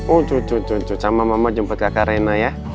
oh tuh tuh tuh sama mama jemput kakak rena ya